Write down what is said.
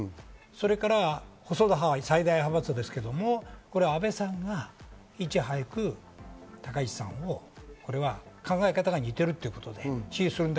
また細田派は最大派閥ですが、安倍さんがいち早く高市さんを考え方が似ているということで支持すると。